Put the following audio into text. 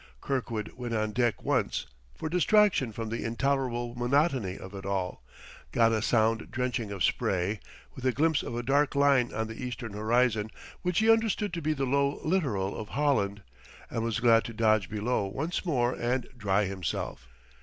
Kirkwood went on deck once, for distraction from the intolerable monotony of it all, got a sound drenching of spray, with a glimpse of a dark line on the eastern horizon, which he understood to be the low littoral of Holland, and was glad to dodge below once more and dry himself.